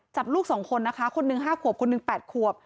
จับลูกสองคนนะคะคนหนึ่งห้าขวบคนหนึ่งแปดขวบ